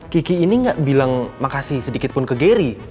kiki ini gak bilang makasih sedikitpun ke geri